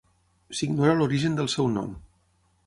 S'ignora l'origen del seu nom.